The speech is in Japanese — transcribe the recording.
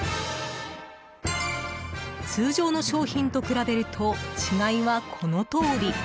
通常の商品と比べると違いはこのとおり。